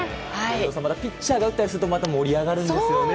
ピッチャーが打ったりすると盛り上がるんですよね。